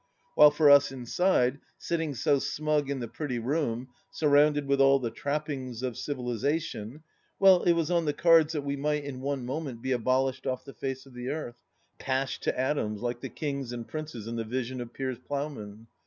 While jor us inside, sitting so smug in the pretty room, surrounded with all the trappings of civilization — well, it was on the cards that we might, in one moment, be abolished off the face of the earth, pashed to atoms like the kings and princes in the Vision of Piers Plowman.